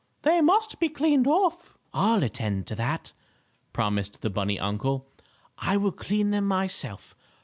"They must be cleaned off." "I'll attend to that," promised the bunny uncle. "I will clean them myself.